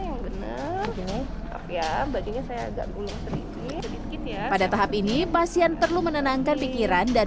benar ya begini saya agak gulung sedikit ketpa engin pasien perlu menenangkan pikiran dan